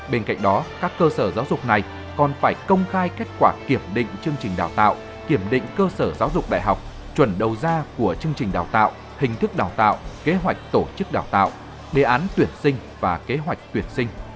bên cạnh đó các cơ sở giáo dục này còn phải công khai kết quả kiểm định chương trình đào tạo kiểm định cơ sở giáo dục đại học chuẩn đầu ra của chương trình đào tạo hình thức đào tạo kế hoạch tổ chức đào tạo đề án tuyển sinh và kế hoạch tuyển sinh